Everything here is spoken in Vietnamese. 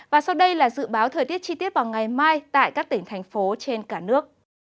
và sau đây là dự báo thời tiết chi tiết vào ngày mai tại các tỉnh thành phố trên cả nước